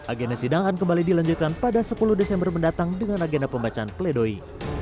agenda sidang akan kembali dilanjutkan pada sepuluh desember mendatang dengan agenda pembacaan pledoi